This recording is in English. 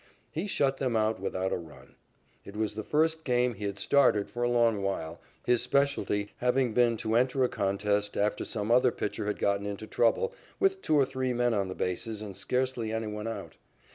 He shut them out without a run. It was the first game he had started for a long while, his specialty having been to enter a contest, after some other pitcher had gotten into trouble, with two or three men on the bases and scarcely any one out.